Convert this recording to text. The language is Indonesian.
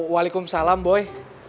walaikum salam boy